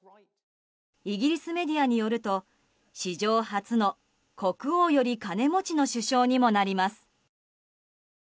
イギリスメディアによると史上初の、国王より金持ちの首相にもなります。